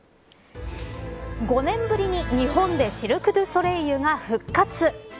５年ぶりに日本でシルク・ドゥ・ソレイユが復活。